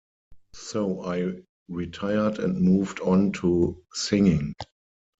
So I retired and moved on to singing.